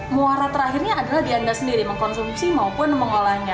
muara terakhirnya adalah di anda sendiri mengkonsumsi maupun mengolahnya